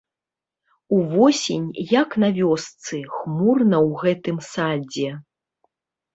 Увосень, як на вёсцы, хмурна ў гэтым садзе.